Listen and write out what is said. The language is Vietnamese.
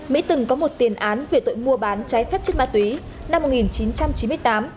mỹ từng có một tiền án về tội mua bán trái phép chất ma túy năm một nghìn chín trăm chín mươi tám